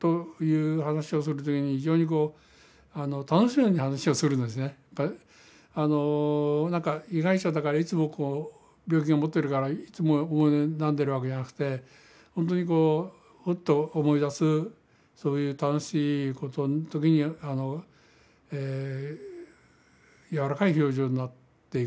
いろんなことを話してくれて例えばなんか被害者だからいつもこう病気を持ってるからいつも思い悩んでるわけじゃなくて本当にこうふっと思い出すそういう楽しいことの時に柔らかい表情になっていくというね。